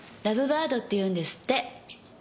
ラブバードって言うんですって。